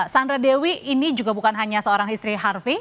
sandra dewi ini juga bukan hanya seorang istri harvey